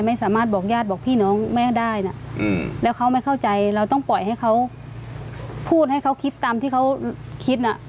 ไม่สามารถบอกญาติบอกพี่น้องแม่ได้นะแล้วเขาไม่เข้าใจเราต้องปล่อยให้เขาพูดให้เขาคิดตามที่เขาคิดน่ะ